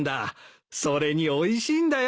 それにおいしいんだよ。